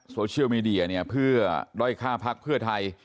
โซเชียลเมดียาเพื่อด้อยค่าพักเพื่อไทย